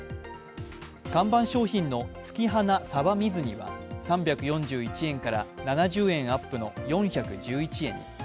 看板商品の月花さば水煮は３４１円から７０円アップの４１１円に。